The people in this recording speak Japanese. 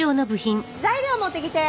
材料持ってきて。